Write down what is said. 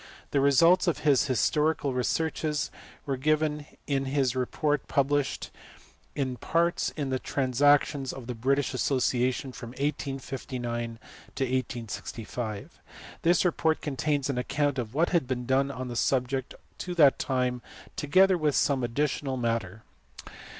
The results of his historical researches were given in his report published in parts in the Transactions of the British Association from 1859 to 1865 ; this report contains an account of what had been done on the subject to that time together with some additional mat ter.